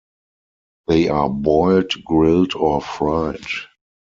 They are boiled, grilled or fried.